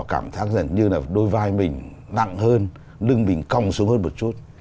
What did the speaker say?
cảm giác dần như là đôi vai mình nặng hơn lưng mình cong xuống hơn một chút